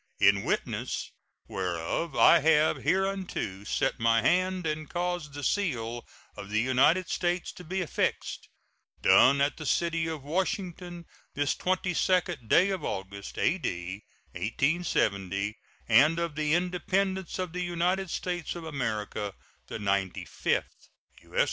In witness whereof I have hereunto set my hand and caused the seal of the United States to be affixed. [SEAL.] Done at the city of Washington, this 22d day of August, A.D. 1870, and of the Independence of the United States of America the ninety fifth. U.S.